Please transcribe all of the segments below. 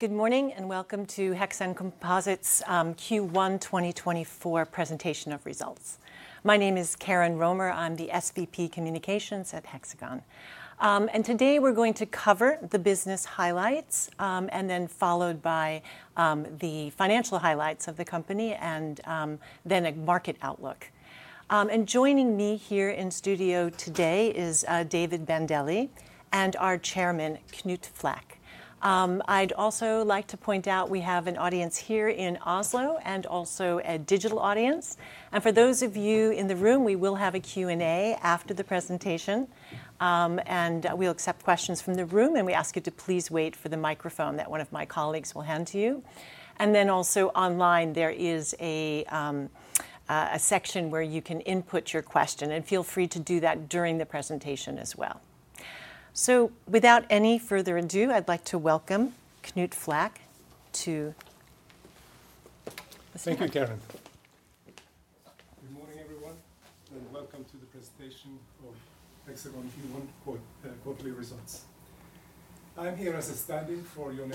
Good morning and welcome to Hexagon Composites' Q1 2024 Presentation of Results. My name is Karen Romer, I'm the SVP Communications at Hexagon. Today we're going to cover the business highlights and then followed by the financial highlights of the company and then a market outlook. Joining me here in studio today is David Bandele and our Chairman Knut Flakk. I'd also like to point out we have an audience here in Oslo and also a digital audience. For those of you in the room, we will have a Q&A after the presentation and we'll accept questions from the room and we ask you to please wait for the microphone that one of my colleagues will hand to you. Then also online there is a section where you can input your question and feel free to do that during the presentation as well. Without any further ado, I'd like to welcome Knut Flakk to the stage. Thank you, Karen. Good morning everyone and welcome to the presentation of Hexagon Q1 Quarterly Results. I'm here as a stand-in for Jon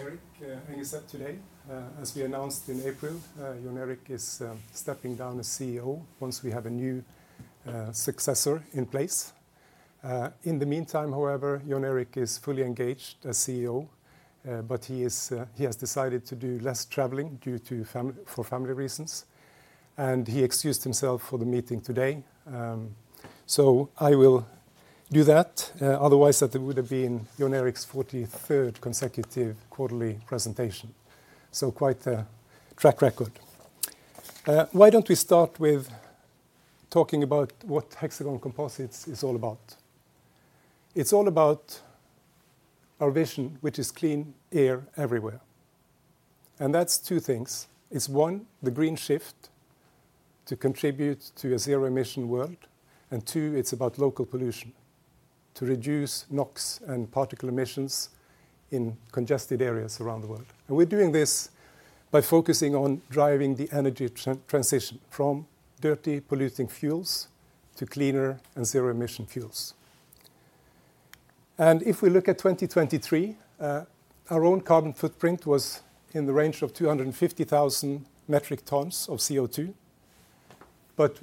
Engeset today. As we announced in April, Jon Engeset is stepping down as CEO once we have a new successor in place. In the meantime, however, Jon Engeset is fully engaged as CEO but he has decided to do less traveling due to family reasons and he excused himself for the meeting today. I will do that, otherwise that would have been Jon Engeset's 43rd consecutive quarterly presentation. Quite the track record. Why don't we start with talking about what Hexagon Composites is all about? It's all about our vision which is clean air everywhere. That's two things. It's one, the green shift to contribute to a zero-emission world and two, it's about local pollution, to reduce NOx and particle emissions in congested areas around the world. We're doing this by focusing on driving the energy transition from dirty, polluting fuels to cleaner and zero-emission fuels. If we look at 2023, our own carbon footprint was in the range of 250,000 metric tons of CO2, but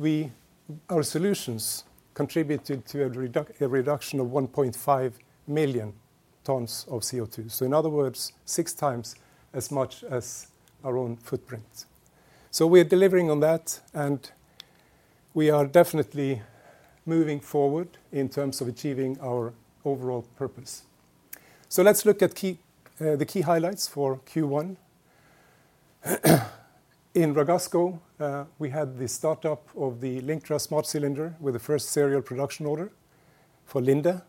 our solutions contributed to a reduction of 1.5 million tons of CO2. So in other words, six times as much as our own footprint. We're delivering on that and we are definitely moving forward in terms of achieving our overall purpose. Let's look at the key highlights for Q1. In Ragasco, we had the startup of the Linktra Smart Cylinder with the first serial production order for Linde.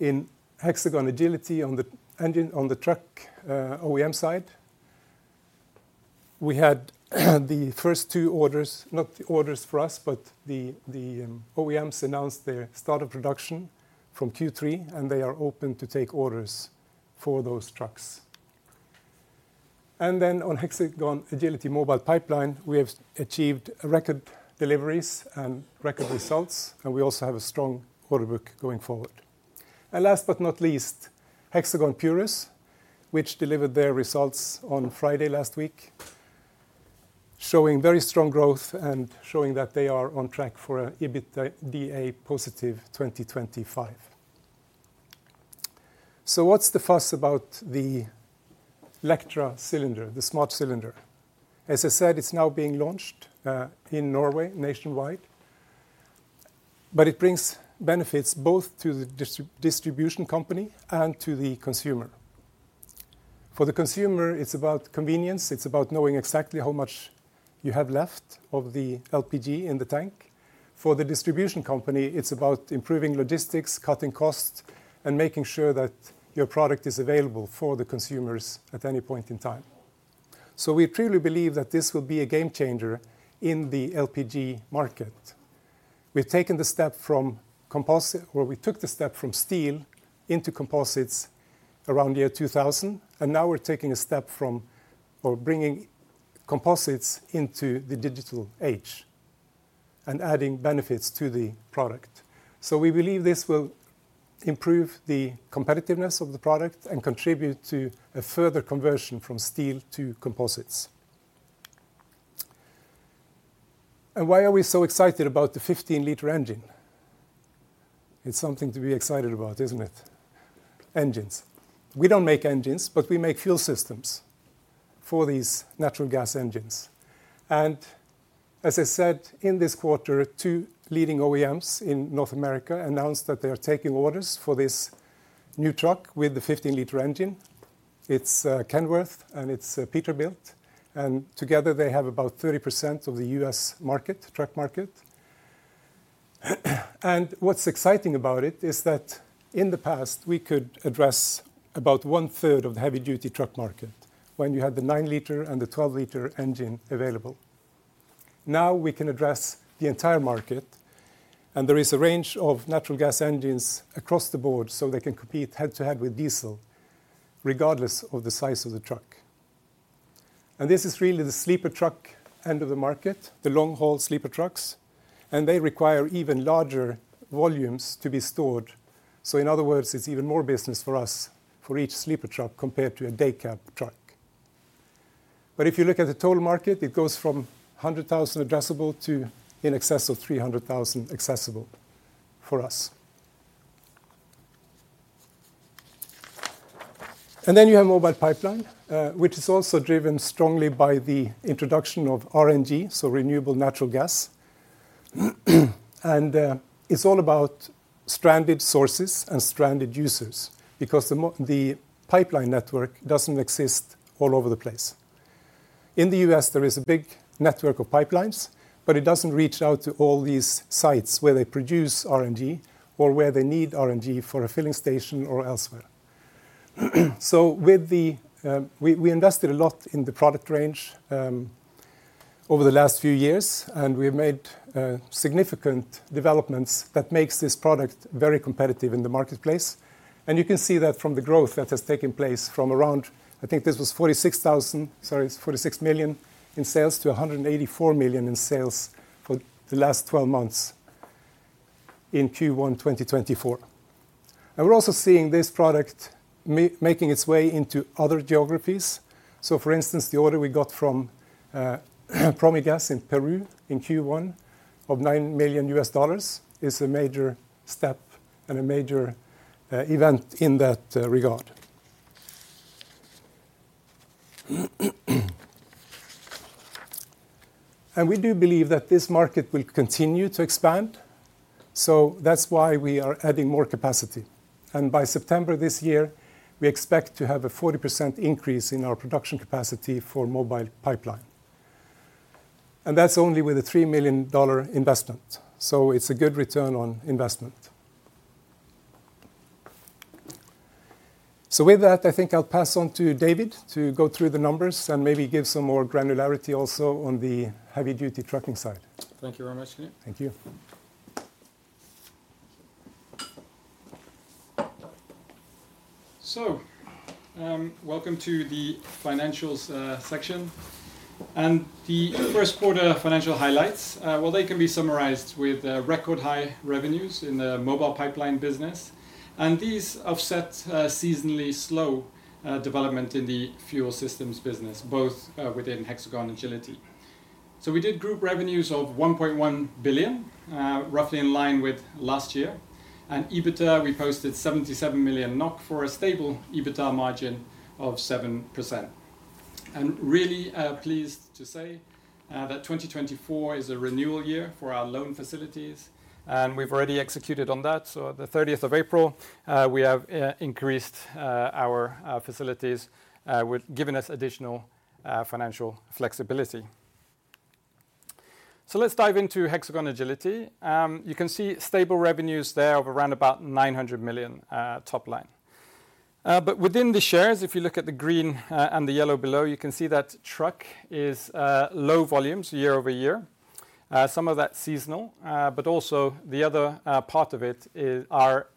In Hexagon Agility on the truck OEM side, we had the first two orders, not the orders for us but the OEMs announced their start of production from Q3 and they are open to take orders for those trucks. And then on Hexagon Agility Mobile Pipeline, we have achieved record deliveries and record results and we also have a strong order book going forward. And last but not least, Hexagon Purus, which delivered their results on Friday last week, showing very strong growth and showing that they are on track for an EBITDA positive 2025. So what's the fuss about the Linktra Smart Cylinder? As I said, it's now being launched in Norway nationwide. But it brings benefits both to the distribution company and to the consumer. For the consumer, it's about convenience. It's about knowing exactly how much you have left of the LPG in the tank. For the distribution company, it's about improving logistics, cutting costs, and making sure that your product is available for the consumers at any point in time. So we truly believe that this will be a game-changer in the LPG market. We've taken the step from composite or we took the step from steel into composites around the year 2000 and now we're taking a step from or bringing composites into the digital age and adding benefits to the product. So we believe this will improve the competitiveness of the product and contribute to a further conversion from steel to composites. And why are we so excited about the 15-liter engine? It's something to be excited about, isn't it? Engines. We don't make engines but we make fuel systems for these natural gas engines. And as I said, in this quarter, two leading OEMs in North America announced that they are taking orders for this new truck with the 15-liter engine. It's Kenworth and it's Peterbilt. And together they have about 30% of the U.S. truck market. What's exciting about it is that in the past we could address about one-third of the heavy-duty truck market when you had the 9-liter and the 12-liter engine available. Now we can address the entire market and there is a range of natural gas engines across the board so they can compete head-to-head with diesel regardless of the size of the truck. This is really the sleeper truck end of the market, the long-haul sleeper trucks. They require even larger volumes to be stored. In other words, it's even more business for us for each sleeper truck compared to a daycab truck. If you look at the total market, it goes from 100,000 addressable to in excess of 300,000 accessible for us. Then you have Mobile Pipeline, which is also driven strongly by the introduction of RNG, so renewable natural gas. It's all about stranded sources and stranded users because the pipeline network doesn't exist all over the place. In the U.S., there is a big network of pipelines but it doesn't reach out to all these sites where they produce RNG or where they need RNG for a filling station or elsewhere. So we invested a lot in the product range over the last few years and we have made significant developments that make this product very competitive in the marketplace. You can see that from the growth that has taken place from around I think this was 46,000, sorry, it's 46 million in sales to 184 million in sales for the last 12 months in Q1 2024. We're also seeing this product making its way into other geographies. So for instance, the order we got from Promigas in Peru in Q1 of $9 million is a major step and a major event in that regard. And we do believe that this market will continue to expand. So that's why we are adding more capacity. And by September this year, we expect to have a 40% increase in our production capacity for Mobile Pipeline. And that's only with a $3 million investment. So it's a good return on investment. So with that, I think I'll pass on to David to go through the numbers and maybe give some more granularity also on the heavy-duty trucking side. Thank you very much, Knut. Thank you. So welcome to the financials section. And the first quarter financial highlights, well, they can be summarised with record high revenues in the Mobile Pipeline business. And these offset seasonally slow development in the fuel systems business, both within Hexagon Agility. So we did group revenues of 1.1 billion, roughly in line with last year. And EBITDA, we posted 77 million NOK for a stable EBITDA margin of 7%. I'm really pleased to say that 2024 is a renewal year for our loan facilities. And we've already executed on that. So the 30th of April, we have increased our facilities, giving us additional financial flexibility. So let's dive into Hexagon Agility. You can see stable revenues there of around about 900 million top line. But within the shares, if you look at the green and the yellow below, you can see that truck is low volumes year-over-year. Some of that's seasonal. But also the other part of it is our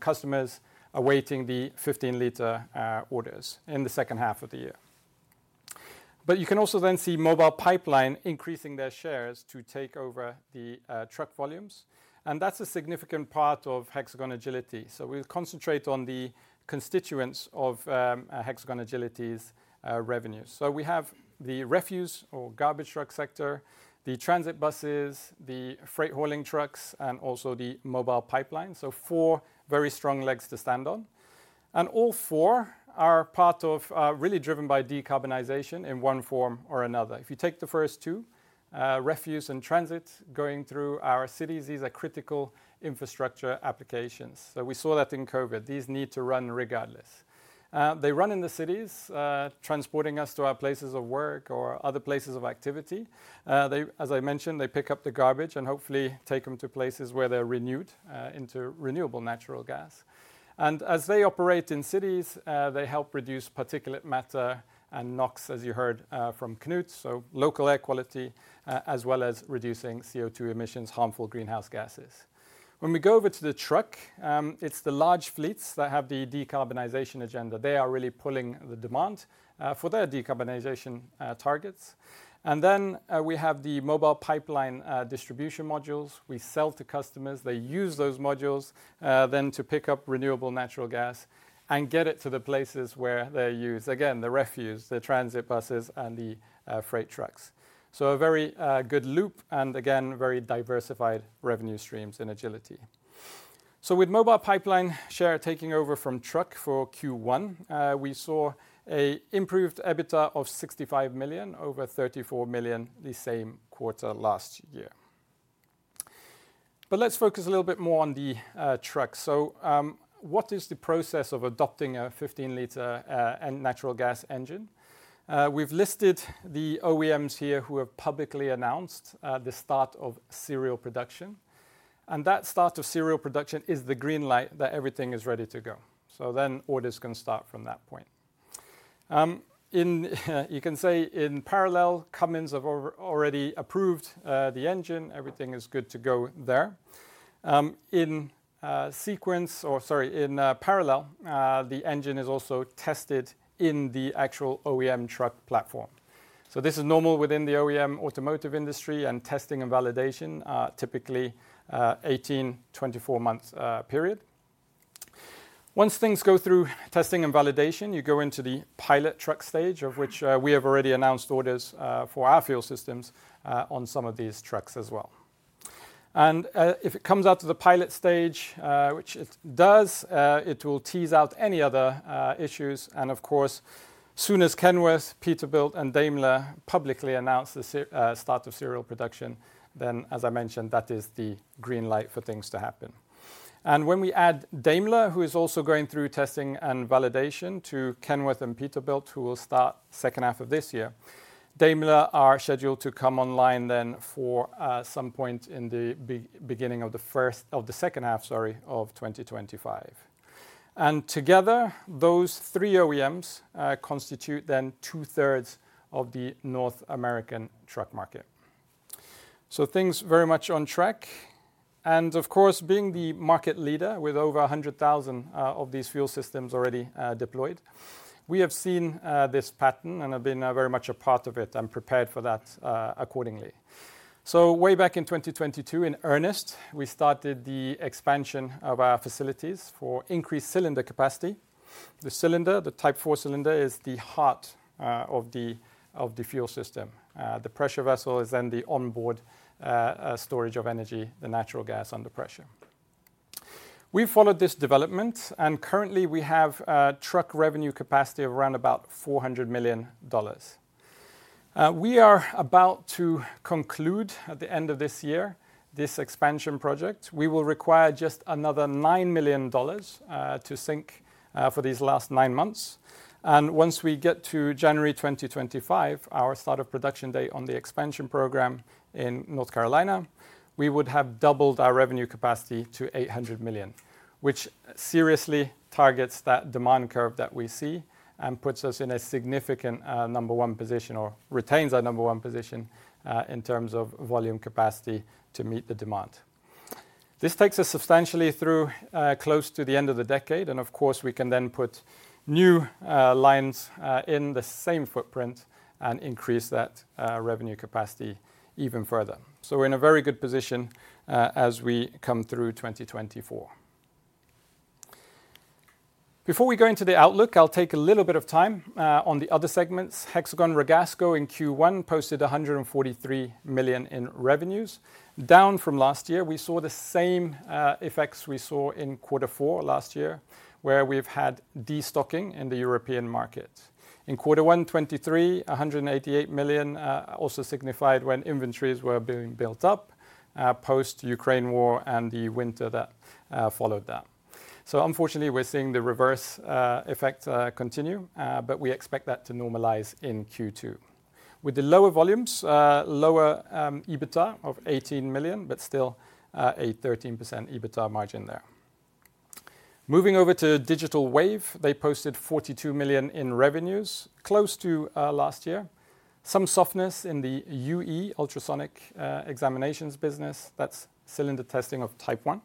customers awaiting the 15-liter orders in the second half of the year. But you can also then see Mobile Pipeline increasing their shares to take over the truck volumes. And that's a significant part of Hexagon Agility. So we'll concentrate on the constituents of Hexagon Agility's revenues. So we have the refuse or garbage truck sector, the transit buses, the freight hauling trucks, and also the Mobile Pipeline. So four very strong legs to stand on. And all four are part of really driven by decarbonization in one form or another. If you take the first two, refuse and transit, going through our cities, these are critical infrastructure applications. So we saw that in COVID. These need to run regardless. They run in the cities, transporting us to our places of work or other places of activity. As I mentioned, they pick up the garbage and hopefully take them to places where they're renewed into renewable natural gas. And as they operate in cities, they help reduce particulate matter and NOx, as you heard from Knut, so local air quality as well as reducing CO2 emissions, harmful greenhouse gases. When we go over to the truck, it's the large fleets that have the decarbonization agenda. They are really pulling the demand for their decarbonization targets. And then we have the Mobile Pipeline distribution modules. We sell to customers. They use those modules then to pick up renewable natural gas and get it to the places where they're used, again, the refuse, the transit buses, and the freight trucks. So a very good loop and again, very diversified revenue streams in Agility. So with Mobile Pipeline share taking over from truck for Q1, we saw an improved EBITDA of 65 million over 34 million the same quarter last year. But let's focus a little bit more on the truck. So what is the process of adopting a 15-liter natural gas engine? We've listed the OEMs here who have publicly announced the start of serial production. And that start of serial production is the green light that everything is ready to go. So then orders can start from that point. You can say in parallel, Cummins have already approved the engine. Everything is good to go there. In sequence or sorry, in parallel, the engine is also tested in the actual OEM truck platform. So this is normal within the OEM automotive industry and testing and validation, typically 18-24 month period. Once things go through testing and validation, you go into the pilot truck stage of which we have already announced orders for our fuel systems on some of these trucks as well. If it comes out to the pilot stage, which it does, it will tease out any other issues. Of course, soon as Kenworth, Peterbilt, and Daimler publicly announce the start of serial production, then as I mentioned, that is the green light for things to happen. When we add Daimler, who is also going through testing and validation, to Kenworth and Peterbilt, who will start second half of this year, Daimler are scheduled to come online then for some point in the beginning of the first of the second half, sorry, of 2025. Together, those three OEMs constitute then two-thirds of the North American truck market. So things very much on track. Of course, being the market leader with over 100,000 of these fuel systems already deployed, we have seen this pattern and have been very much a part of it and prepared for that accordingly. Way back in 2022, in earnest, we started the expansion of our facilities for increased cylinder capacity. The cylinder, the Type 4 cylinder, is the heart of the fuel system. The pressure vessel is then the onboard storage of energy, the natural gas under pressure. We've followed this development and currently we have truck revenue capacity of around about $400 million. We are about to conclude at the end of this year this expansion project. We will require just another $9 million to sink for these last nine months. Once we get to January 2025, our start of production day on the expansion program in North Carolina, we would have doubled our revenue capacity to 800 million, which seriously targets that demand curve that we see and puts us in a significant number one position or retains our number one position in terms of volume capacity to meet the demand. This takes us substantially through close to the end of the decade. Of course, we can then put new lines in the same footprint and increase that revenue capacity even further. We're in a very good position as we come through 2024. Before we go into the outlook, I'll take a little bit of time on the other segments. Hexagon Ragasco in Q1 posted 143 million in revenues. Down from last year, we saw the same effects we saw in quarter four last year where we've had destocking in the European market. In quarter one, 2023, 188 million also signified when inventories were being built up post-Ukraine war and the winter that followed that. So unfortunately, we're seeing the reverse effect continue, but we expect that to normalise in Q2 with the lower volumes, lower EBITDA of 18 million, but still a 13% EBITDA margin there. Moving over to Digital Wave, they posted 42 million in revenues, close to last year. Some softness in the UE ultrasonic examinations business. That's cylinder testing of Type 1,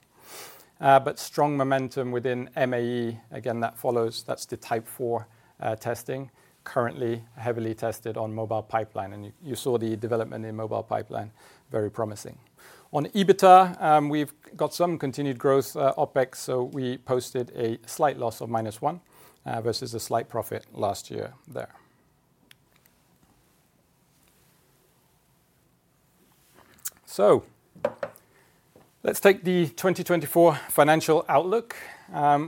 but strong momentum within MAE. Again, that follows. That's the Type 4 testing, currently heavily tested on Mobile Pipeline. And you saw the development in Mobile Pipeline, very promising. On EBITDA, we've got some continued growth OpEx, so we posted a slight loss of -1 versus a slight profit last year there. So let's take the 2024 financial outlook,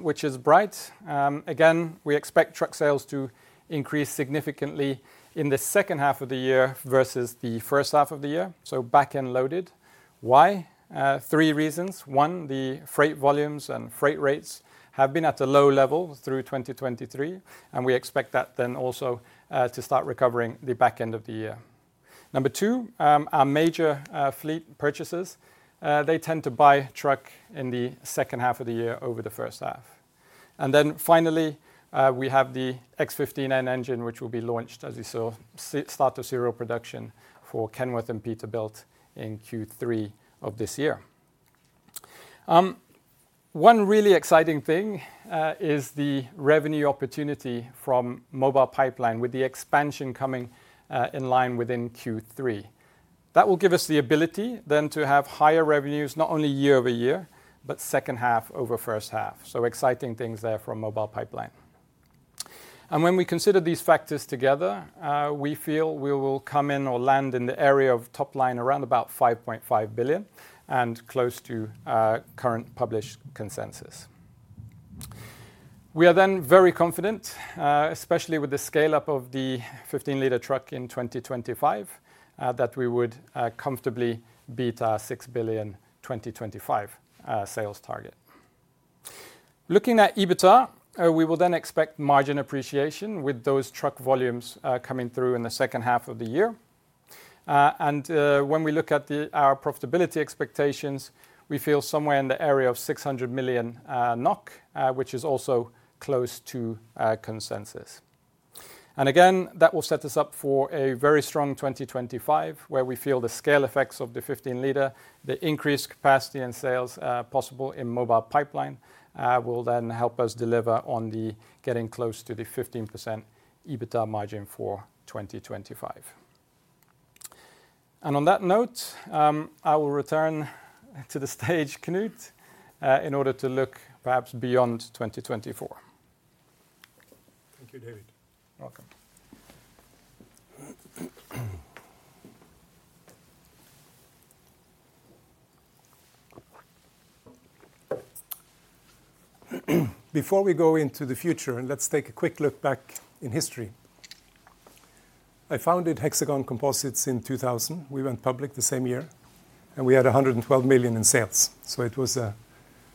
which is bright. Again, we expect truck sales to increase significantly in the second half of the year versus the first half of the year, so backend loaded. Why? 3 reasons. 1, the freight volumes and freight rates have been at a low level through 2023, and we expect that then also to start recovering the backend of the year. Number 2, our major fleet purchases, they tend to buy truck in the second half of the year over the first half. And then finally, we have the X15N engine, which will be launched, as you saw, start of serial production for Kenworth and Peterbilt in Q3 of this year. One really exciting thing is the revenue opportunity from Mobile Pipeline with the expansion coming in line within Q3. That will give us the ability then to have higher revenues not only year-over-year, but second half over first half. So exciting things there from Mobile Pipeline. And when we consider these factors together, we feel we will come in or land in the area of top line around about 5.5 billion and close to current published consensus. We are then very confident, especially with the scale-up of the 15-litre truck in 2025, that we would comfortably beat our 6 billion 2025 sales target. Looking at EBITDA, we will then expect margin appreciation with those truck volumes coming through in the second half of the year. When we look at our profitability expectations, we feel somewhere in the area of 600 million NOK EBITDA, which is also close to consensus. Again, that will set us up for a very strong 2025 where we feel the scale effects of the 15-litre, the increased capacity and sales possible in Mobile Pipeline will then help us deliver on getting close to the 15% EBITDA margin for 2025. On that note, I will return to the stage, Knut, in order to look perhaps beyond 2024. Thank you, David. Welcome. Before we go into the future, let's take a quick look back in history. I founded Hexagon Composites in 2000. We went public the same year, and we had 112 million in sales. So it was a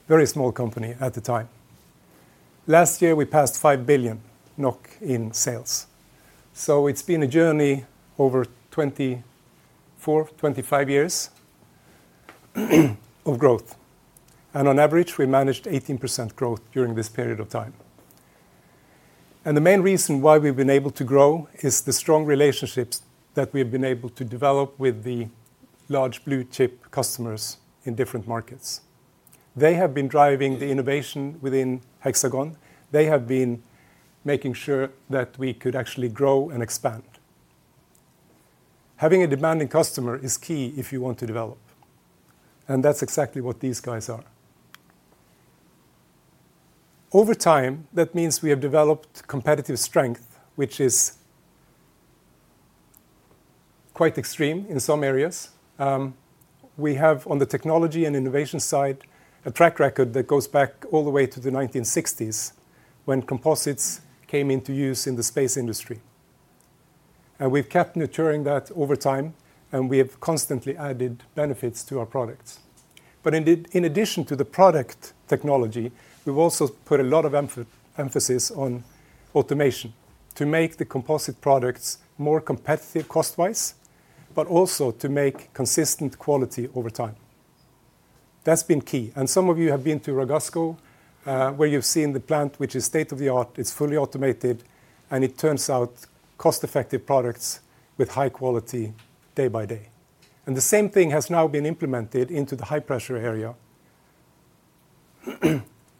very small company at the time. Last year, we passed 5 billion NOK in sales. So it's been a journey over 24, 25 years of growth. And on average, we managed 18% growth during this period of time. And the main reason why we've been able to grow is the strong relationships that we have been able to develop with the large blue-chip customers in different markets. They have been driving the innovation within Hexagon. They have been making sure that we could actually grow and expand. Having a demanding customer is key if you want to develop. And that's exactly what these guys are. Over time, that means we have developed competitive strength, which is quite extreme in some areas. We have, on the technology and innovation side, a track record that goes back all the way to the 1960s when composites came into use in the space industry. We've kept nurturing that over time, and we have constantly added benefits to our products. In addition to the product technology, we've also put a lot of emphasis on automation to make the composite products more competitive cost-wise, but also to make consistent quality over time. That's been key. Some of you have been to Ragasco where you've seen the plant, which is state of the art. It's fully automated, and it turns out cost-effective products with high quality day by day. The same thing has now been implemented into the high-pressure area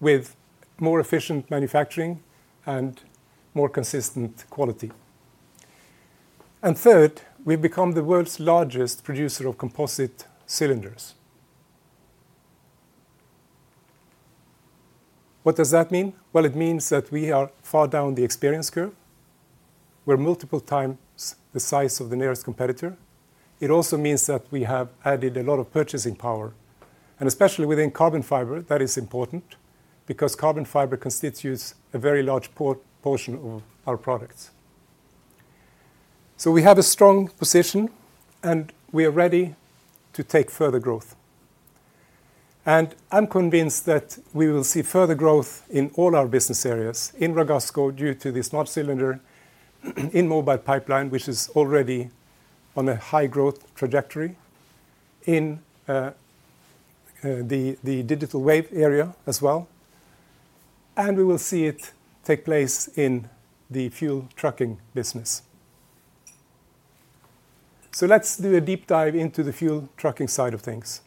with more efficient manufacturing and more consistent quality. And third, we've become the world's largest producer of composite cylinders. What does that mean? Well, it means that we are far down the experience curve. We're multiple times the size of the nearest competitor. It also means that we have added a lot of purchasing power. And especially within carbon fiber, that is important because carbon fiber constitutes a very large portion of our products. So we have a strong position, and we are ready to take further growth. And I'm convinced that we will see further growth in all our business areas in Ragasco due to the smart cylinder, in Mobile Pipeline, which is already on a high-growth trajectory, in the Digital Wave area as well. And we will see it take place in the fuel trucking business. So let's do a deep dive into the fuel trucking side of things.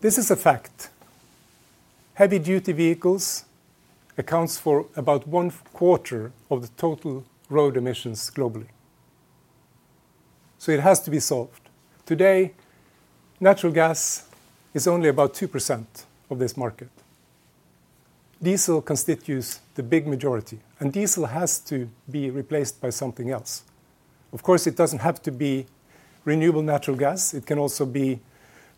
This is a fact. Heavy-duty vehicles account for about one-quarter of the total road emissions globally. So it has to be solved. Today, natural gas is only about 2% of this market. Diesel constitutes the big majority, and diesel has to be replaced by something else. Of course, it doesn't have to be renewable natural gas. It can also be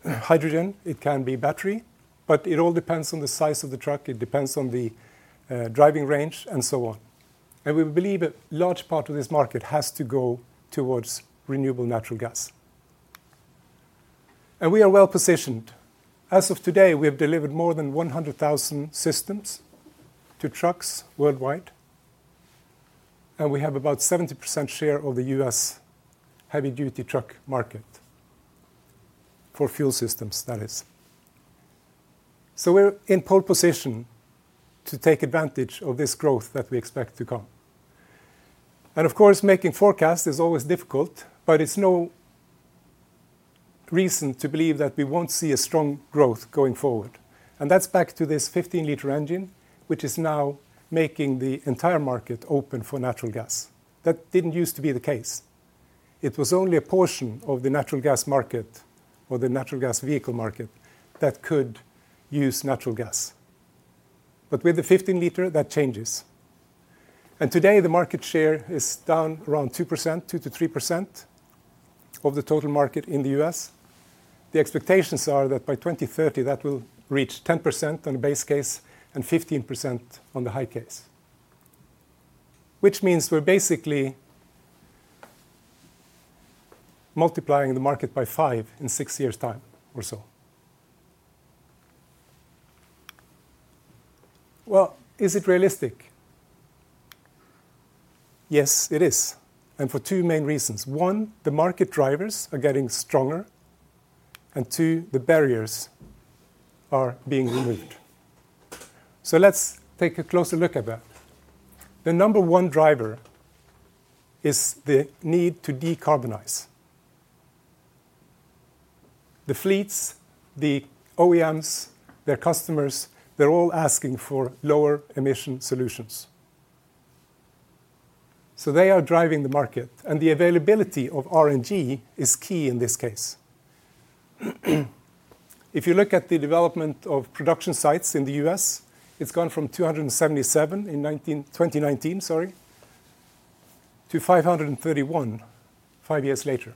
hydrogen. It can be battery. But it all depends on the size of the truck. It depends on the driving range, and so on. And we believe a large part of this market has to go towards renewable natural gas. And we are well positioned. As of today, we have delivered more than 100,000 systems to trucks worldwide. And we have about a 70% share of the U.S. heavy-duty truck market for fuel systems, that is. So we're in pole position to take advantage of this growth that we expect to come. Of course, making forecasts is always difficult, but it's no reason to believe that we won't see a strong growth going forward. That's back to this 15-liter engine, which is now making the entire market open for natural gas. That didn't use to be the case. It was only a portion of the natural gas market or the natural gas vehicle market that could use natural gas. But with the 15-liter, that changes. And today, the market share is down around 2%, 2%-3% of the total market in the U.S. The expectations are that by 2030, that will reach 10% on the base case and 15% on the high case, which means we're basically multiplying the market by five in six years' time or so. Well, is it realistic? Yes, it is. And for two main reasons. One, the market drivers are getting stronger. And two, the barriers are being removed. So let's take a closer look at that. The number one driver is the need to decarbonize. The fleets, the OEMs, their customers, they're all asking for lower-emission solutions. So they are driving the market. And the availability of RNG is key in this case. If you look at the development of production sites in the U.S., it's gone from 277 in 2019, sorry, to 531 five years later.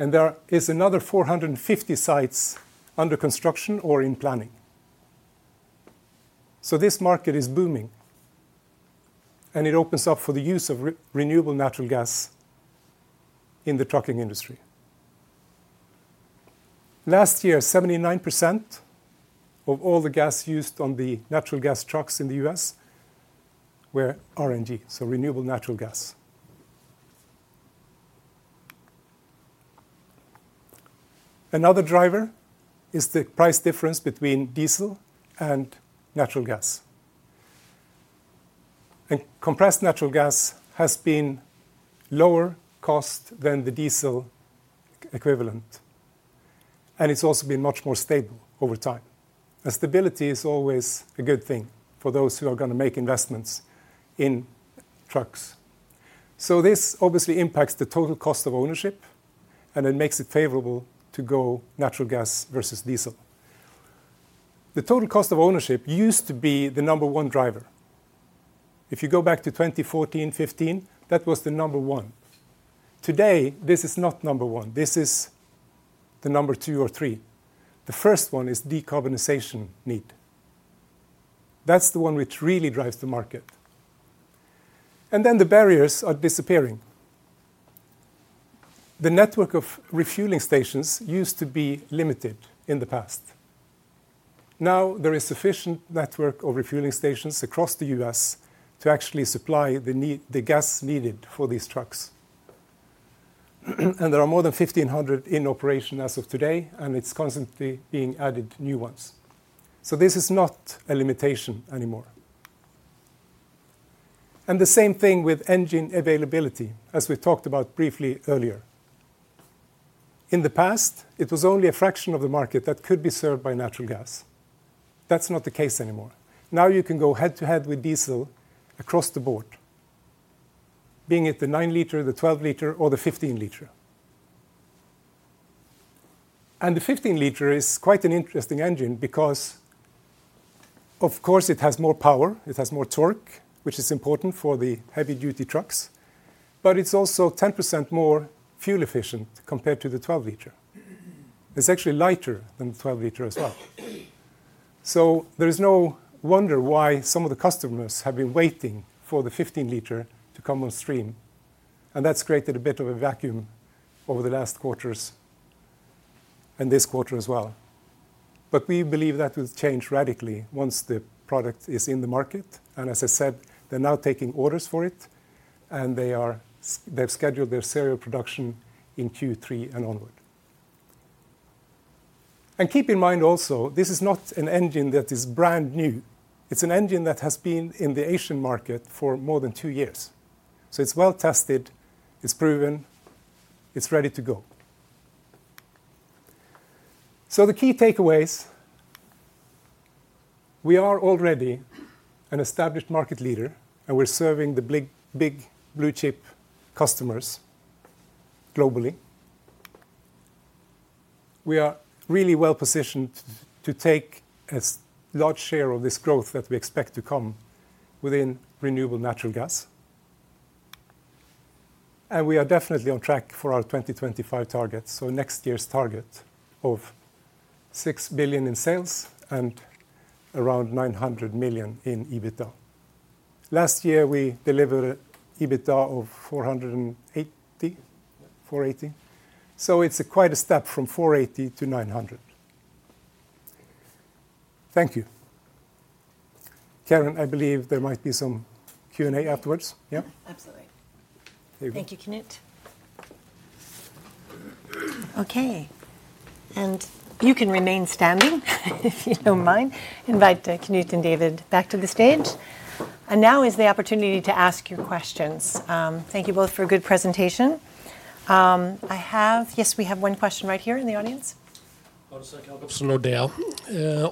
And there are another 450 sites under construction or in planning. So this market is booming, and it opens up for the use of renewable natural gas in the trucking industry. Last year, 79% of all the gas used on the natural gas trucks in the U.S. were RNG, so renewable natural gas. Another driver is the price difference between diesel and natural gas. Compressed natural gas has been lower cost than the diesel equivalent. It's also been much more stable over time. Stability is always a good thing for those who are going to make investments in trucks. So this obviously impacts the total cost of ownership, and it makes it favorable to go natural gas versus diesel. The total cost of ownership used to be the number one driver. If you go back to 2014, 2015, that was the number one. Today, this is not number one. This is the number two or three. The first one is decarbonization need. That's the one which really drives the market. Then the barriers are disappearing. The network of refueling stations used to be limited in the past. Now, there is sufficient network of refueling stations across the U.S. to actually supply the gas needed for these trucks. There are more than 1,500 in operation as of today, and it's constantly being added new ones. So this is not a limitation anymore. The same thing with engine availability, as we talked about briefly earlier. In the past, it was only a fraction of the market that could be served by natural gas. That's not the case anymore. Now, you can go head-to-head with diesel across the board, be it the 9-liter, the 12-liter, or the 15-liter. The 15-liter is quite an interesting engine because, of course, it has more power. It has more torque, which is important for the heavy-duty trucks. But it's also 10% more fuel-efficient compared to the 12-liter. It's actually lighter than the 12-liter as well. So there is no wonder why some of the customers have been waiting for the 15-liter to come on stream. That's created a bit of a vacuum over the last quarters and this quarter as well. But we believe that will change radically once the product is in the market. And as I said, they're now taking orders for it, and they've scheduled their serial production in Q3 and onward. And keep in mind also, this is not an engine that is brand new. It's an engine that has been in the Asian market for more than two years. So it's well-tested. It's proven. It's ready to go. So the key takeaways: we are already an established market leader, and we're serving the big blue-chip customers globally. We are really well positioned to take a large share of this growth that we expect to come within renewable natural gas. We are definitely on track for our 2025 target, so next year's target of 6 billion in sales and around 900 million in EBITDA. Last year, we delivered EBITDA of 480 million. So it's quite a step from 480 to 900. Thank you. Karen, I believe there might be some Q&A afterwards. Yeah? Absolutely. Thank you, Knut. Okay. You can remain standing if you don't mind. Invite Knut and David back to the stage. Now is the opportunity to ask your questions. Thank you both for a good presentation. Yes, we have one question right here in the audience. Hello to you. I'm Lordale.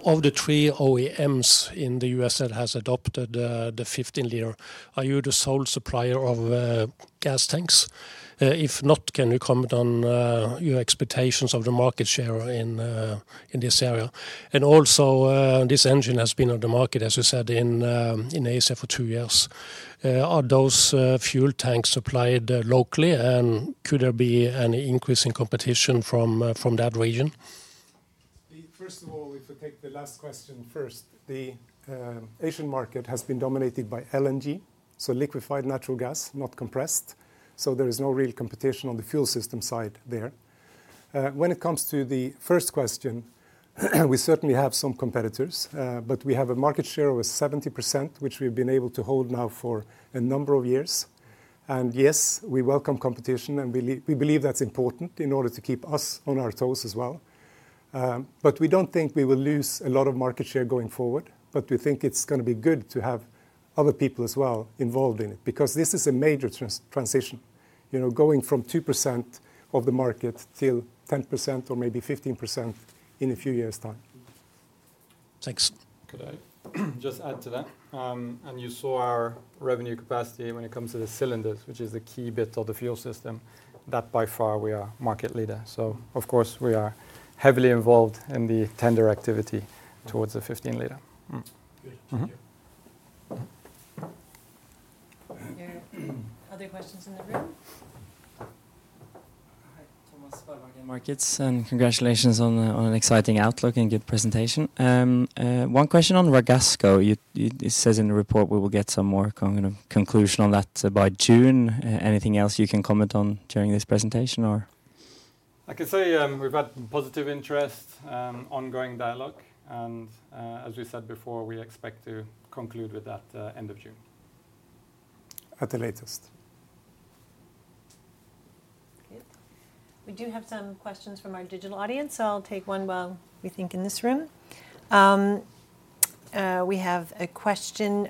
Of the three OEMs in the U.S. that have adopted the 15-liter, are you the sole supplier of gas tanks? If not, can you comment on your expectations of the market share in this area? And also, this engine has been on the market, as you said, in Asia for two years. Are those fuel tanks supplied locally, and could there be an increase in competition from that region? First of all, if we take the last question first, the Asian market has been dominated by LNG, so liquefied natural gas, not compressed. So there is no real competition on the fuel system side there. When it comes to the first question, we certainly have some competitors. We have a market share of 70%, which we have been able to hold now for a number of years. Yes, we welcome competition, and we believe that's important in order to keep us on our toes as well. We don't think we will lose a lot of market share going forward. We think it's going to be good to have other people as well involved in it because this is a major transition, going from 2% of the market to 10% or maybe 15% in a few years' time. Thanks. Could I just add to that? And you saw our revenue capacity when it comes to the cylinders, which is the key bit of the fuel system, that by far we are market leader. So of course, we are heavily involved in the tender activity towards the 15-litre. Good. Thank you. Other questions in the room? Hi, Thomas Hærre, Markets. Congratulations on an exciting outlook and good presentation. One question on Ragasco. It says in the report we will get some more conclusion on that by June. Anything else you can comment on during this presentation, or? I can say we've had positive interest, ongoing dialogue. And as we said before, we expect to conclude with that end of June. At the latest. Good. We do have some questions from our digital audience. I'll take one while we think in this room. We have a question.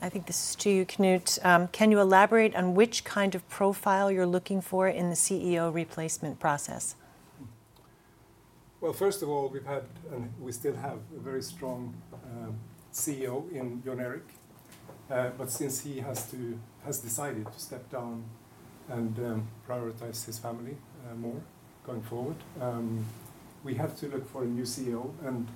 I think this is to you, Knut. Can you elaborate on which kind of profile you're looking for in the CEO replacement process? Well, first of all, we've had and we still have a very strong CEO in Jon Erik. But since he has decided to step down and prioritize his family more going forward, we have to look for a new CEO. And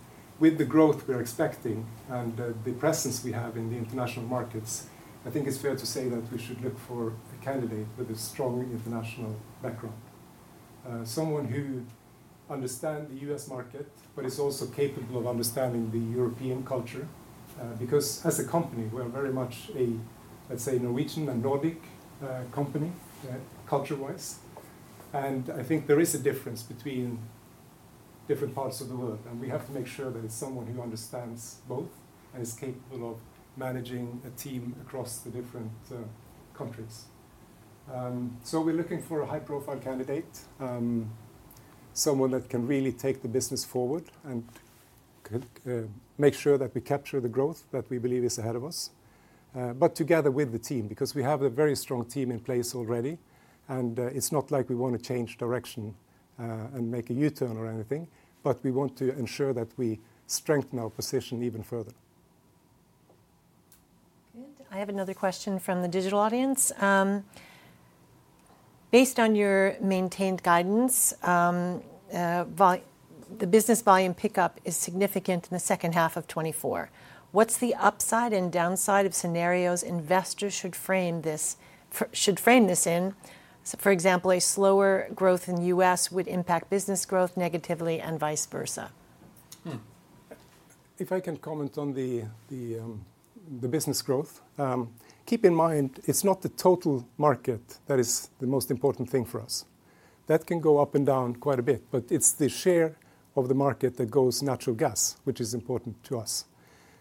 with the growth we're expecting and the presence we have in the international markets, I think it's fair to say that we should look for a candidate with a strong international background, someone who understands the U.S. market but is also capable of understanding the European culture. Because as a company, we are very much a, let's say, Norwegian and Nordic company culture-wise. And I think there is a difference between different parts of the world. And we have to make sure that it's someone who understands both and is capable of managing a team across the different countries. We're looking for a high-profile candidate, someone that can really take the business forward and make sure that we capture the growth that we believe is ahead of us, but together with the team. Because we have a very strong team in place already. It's not like we want to change direction and make a U-turn or anything. We want to ensure that we strengthen our position even further. Good. I have another question from the digital audience. Based on your maintained guidance, the business volume pickup is significant in the second half of 2024. What's the upside and downside of scenarios investors should frame this in? For example, a slower growth in the U.S. would impact business growth negatively and vice versa. If I can comment on the business growth, keep in mind it's not the total market that is the most important thing for us. That can go up and down quite a bit. But it's the share of the market that goes natural gas, which is important to us.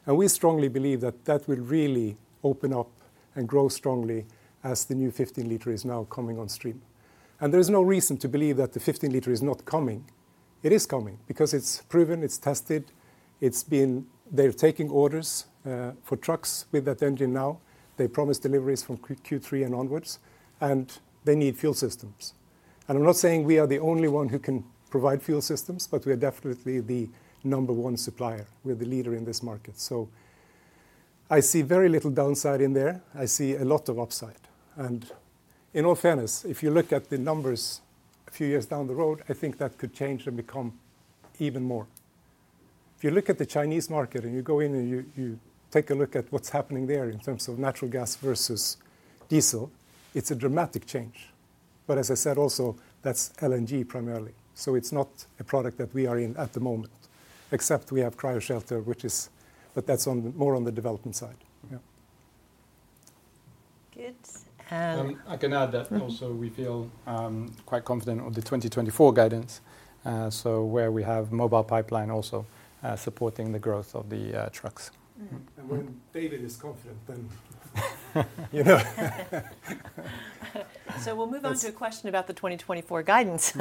We strongly believe that that will really open up and grow strongly as the new 15-liter is now coming on stream. There is no reason to believe that the 15-liter is not coming. It is coming because it's proven. It's tested. They're taking orders for trucks with that engine now. They promise deliveries from Q3 and onwards. They need fuel systems. I'm not saying we are the only one who can provide fuel systems, but we are definitely the number one supplier. We're the leader in this market. I see very little downside in there. I see a lot of upside. In all fairness, if you look at the numbers a few years down the road, I think that could change and become even more. If you look at the Chinese market and you go in and you take a look at what's happening there in terms of natural gas versus diesel, it's a dramatic change. But as I said also, that's LNG primarily. So it's not a product that we are in at the moment, except we have Cryoshelter, which is, but that's more on the development side. Yeah. Good. I can add that also, we feel quite confident of the 2024 guidance, so where we have Mobile Pipeline also supporting the growth of the trucks. When David is confident, then. So we'll move on to a question about the 2024 guidance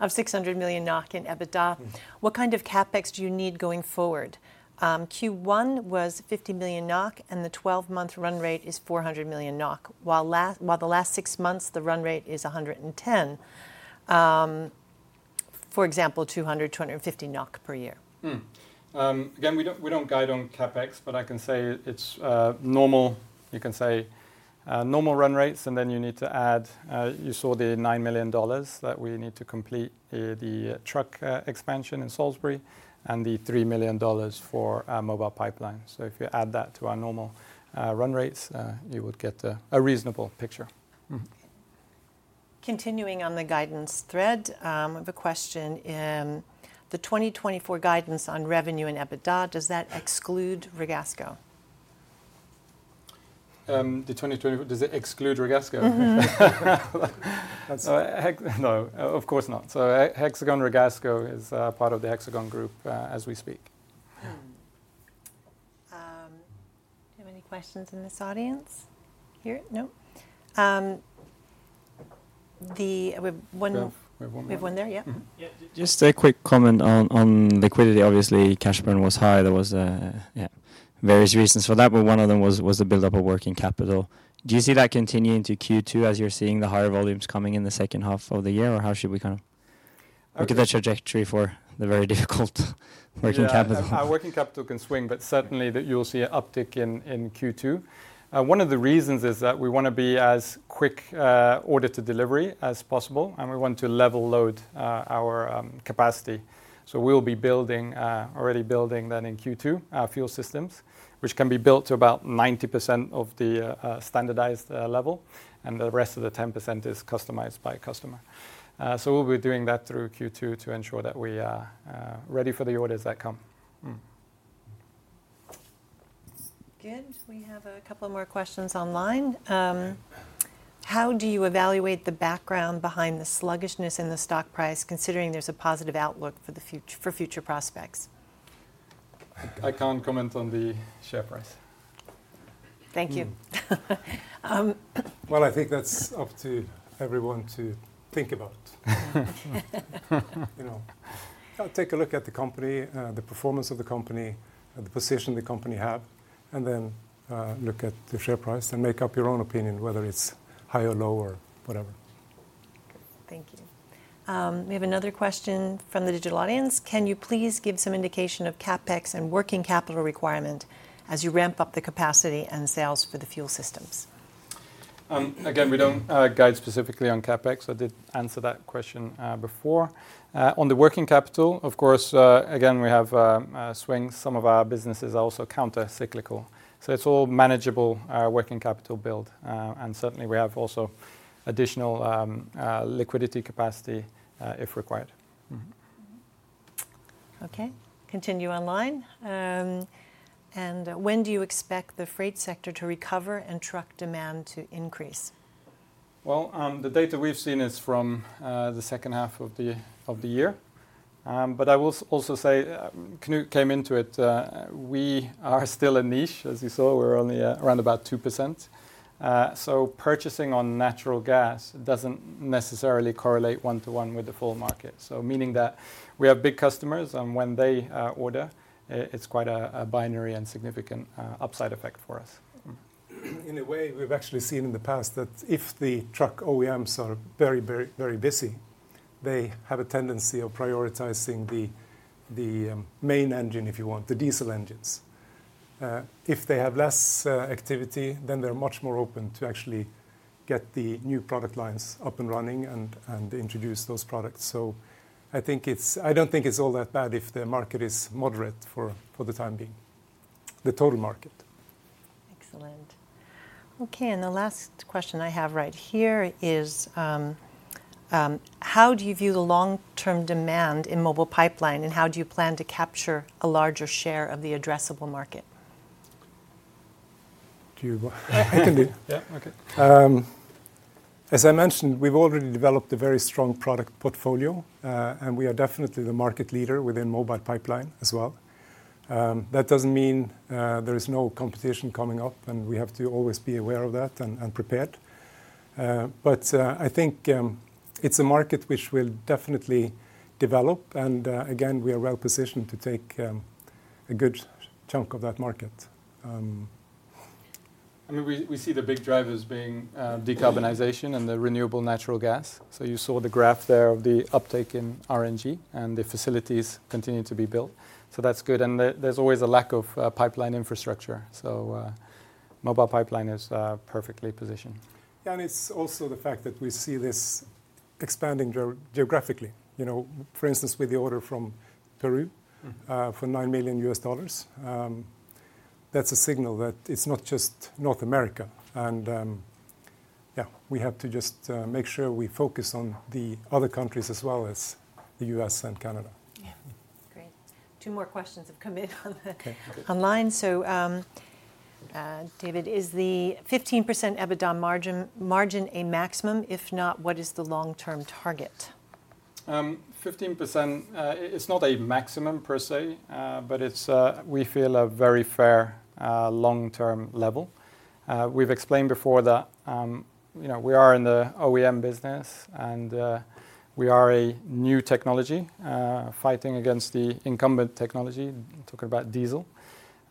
of 600 million NOK in EBITDA. What kind of CapEx do you need going forward? Q1 was 50 million NOK, and the 12-month run rate is 400 million NOK. While the last six months, the run rate is 110 million, for example, 200 million-250 million NOK per year. Again, we don't guide on CapEx, but I can say it's normal. You can say normal run rates, and then you need to add you saw the $9 million that we need to complete the truck expansion in Salisbury and the $3 million for Mobile Pipeline. So if you add that to our normal run rates, you would get a reasonable picture. Continuing on the guidance thread, we have a question. The 2024 guidance on revenue in EBITDA, does that exclude Ragasco? Does it exclude Ragasco? No, of course not. So Hexagon Ragasco is part of the Hexagon Group as we speak. Do you have any questions in this audience? Here? No? We have one there. Yeah. Just a quick comment on liquidity. Obviously, cash burn was high. There was various reasons for that, but one of them was the buildup of working capital. Do you see that continuing to Q2 as you're seeing the higher volumes coming in the second half of the year, or how should we kind of look at that trajectory for the very difficult working capital? Our working capital can swing, but certainly you'll see an uptick in Q2. One of the reasons is that we want to be as quick order-to-delivery as possible, and we want to level load our capacity. So we'll be already building then in Q2 fuel systems, which can be built to about 90% of the standardized level. And the rest of the 10% is customized by customer. So we'll be doing that through Q2 to ensure that we are ready for the orders that come. Good. We have a couple more questions online. How do you evaluate the background behind the sluggishness in the stock price, considering there's a positive outlook for future prospects? I can't comment on the share price. Thank you. Well, I think that's up to everyone to think about. Take a look at the company, the performance of the company, the position the company have, and then look at the share price and make up your own opinion whether it's high or low or whatever. Thank you. We have another question from the digital audience. Can you please give some indication of CapEx and working capital requirement as you ramp up the capacity and sales for the fuel systems? Again, we don't guide specifically on CapEx. I did answer that question before. On the working capital, of course, again, we have swings. Some of our businesses are also countercyclical. So it's all manageable working capital build. And certainly, we have also additional liquidity capacity if required. Okay. Continue online. When do you expect the freight sector to recover and truck demand to increase? Well, the data we've seen is from the second half of the year. But I will also say Knut came into it. We are still a niche, as you saw. We're only around about 2%. So purchasing on natural gas doesn't necessarily correlate one-to-one with the full market, so meaning that we have big customers. And when they order, it's quite a binary and significant upside effect for us. In a way, we've actually seen in the past that if the truck OEMs are very, very, very busy, they have a tendency of prioritizing the main engine, if you want, the diesel engines. If they have less activity, then they're much more open to actually get the new product lines up and running and introduce those products. So I don't think it's all that bad if the market is moderate for the time being, the total market. Excellent. Okay. The last question I have right here is, how do you view the long-term demand in Mobile Pipeline, and how do you plan to capture a larger share of the addressable market? I can do it. Yeah. Okay. As I mentioned, we've already developed a very strong product portfolio, and we are definitely the market leader within Mobile Pipeline as well. That doesn't mean there is no competition coming up, and we have to always be aware of that and prepared. But I think it's a market which will definitely develop. And again, we are well positioned to take a good chunk of that market. I mean, we see the big drivers being decarbonization and the renewable natural gas. So you saw the graph there of the uptake in RNG, and the facilities continue to be built. So that's good. And there's always a lack of pipeline infrastructure. So Mobile Pipeline is perfectly positioned. Yeah. It's also the fact that we see this expanding geographically. For instance, with the order from Peru for $9 million, that's a signal that it's not just North America. Yeah, we have to just make sure we focus on the other countries as well as the U.S. and Canada. Yeah. Great. Two more questions have come in online. So David, is the 15% EBITDA margin a maximum? If not, what is the long-term target? 15%, it's not a maximum per se, but we feel a very fair long-term level. We've explained before that we are in the OEM business, and we are a new technology fighting against the incumbent technology, talking about diesel.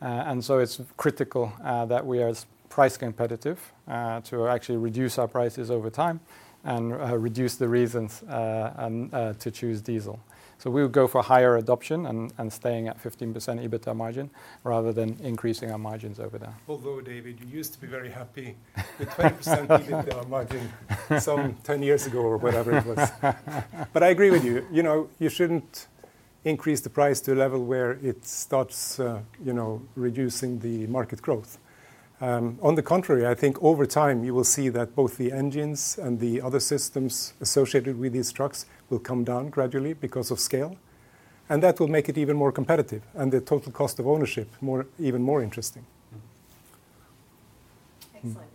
And so it's critical that we are price competitive to actually reduce our prices over time and reduce the reasons to choose diesel. So we would go for higher adoption and staying at 15% EBITDA margin rather than increasing our margins over there. Although, David, you used to be very happy with 20% EBITDA margin some 10 years ago or whatever it was. I agree with you. You shouldn't increase the price to a level where it starts reducing the market growth. On the contrary, I think over time, you will see that both the engines and the other systems associated with these trucks will come down gradually because of scale. That will make it even more competitive and the total cost of ownership even more interesting. Excellent.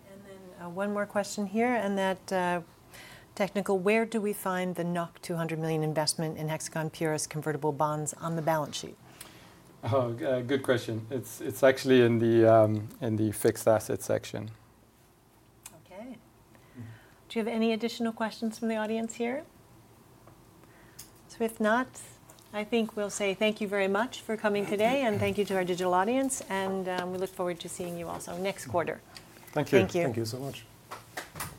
One more question here. That technical, where do we find the 200 million investment in Hexagon Purus convertible bonds on the balance sheet? Oh, good question. It's actually in the fixed asset section. Okay. Do you have any additional questions from the audience here? If not, I think we'll say thank you very much for coming today, and thank you to our digital audience. We look forward to seeing you also next quarter. Thank you. Thank you. Thank you so much.